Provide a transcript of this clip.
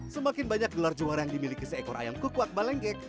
semakin banyak gelar juara yang dimiliki seekor ayam kukuak balengkek